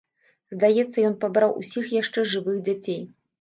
Здаецца, ён пабраў усіх яшчэ жывых дзяцей.